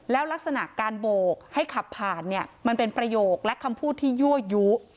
แล้วลักษณะการโบกให้ขับผ่านเนี่ยมันเป็นประโยคและคำพูดที่ยั่วยุ